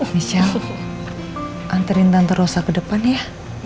michelle anterin tante rosa ke depan ya